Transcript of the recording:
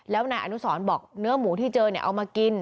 แล้วนายอนุสรบอกเนื้อหมูที่เจอเนี่ยเอามากิน